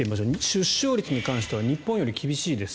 出生率に関しては日本より厳しいです。